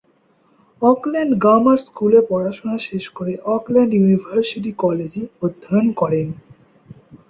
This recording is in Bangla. অকল্যান্ড গ্রামার স্কুলে পড়াশুনো শেষে অকল্যান্ড ইউনিভার্সিটি কলেজে অধ্যয়ন করেন।